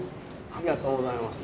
ありがとうございます。